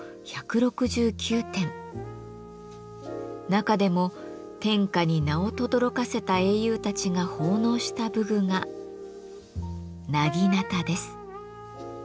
中でも天下に名をとどろかせた英雄たちが奉納した武具が薙刀です。